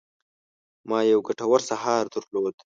ما یو ګټور سهار درلود.